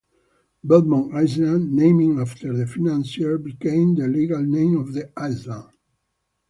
Belmont Island, named after the financier, became the legal name of the island.